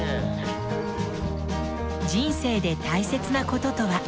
人生で大切なこととは？